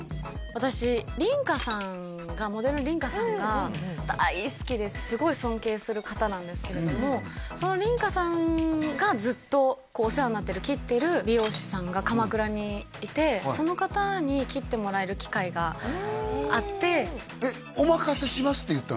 私梨花さんがモデルの梨花さんが大好きですごい尊敬する方なんですけれどもその梨花さんがずっとお世話になってる切ってる美容師さんが鎌倉にいてその方に「おまかせします」って言ったの？